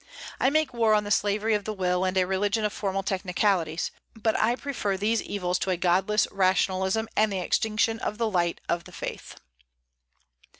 I make war on the slavery of the will and a religion of formal technicalities; but I prefer these evils to a godless rationalism and the extinction of the light of faith.